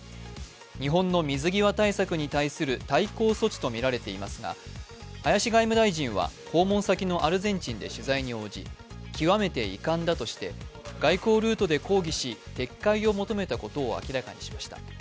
日本の水際対策に対する対抗措置とみられていますが林外務大臣は、訪問先のアルゼンチンで取材に応じ、極めて遺憾だとして外交ルートで抗議し、撤回を求めたことを明らかにしました。